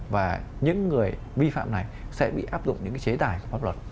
và những người vi phạm này sẽ bị áp dụng những chế tài của pháp luật